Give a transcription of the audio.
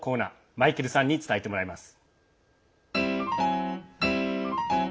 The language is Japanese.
マイケルさんに伝えてもらいます。